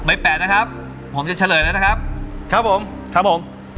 แปะนะครับผมจะเฉลยแล้วนะครับครับผมครับผม